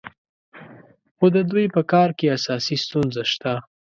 خو د دوی په کار کې اساسي ستونزه شته.